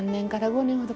５年ほど。